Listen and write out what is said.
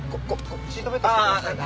シートベルトしてくださいね。